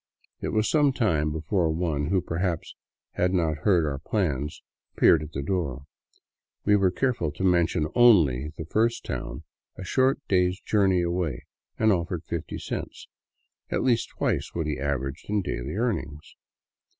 It was some time before one — who, perhaps, had not yet heard our plans — appeared at the door. We were careful to mention only the first town, a short day's journey away, and offered fifty cents, at least twice what he averaged in daily earnings.